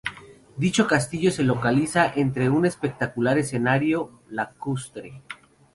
Dicho castillo se localiza entre un espectacular escenario lacustre.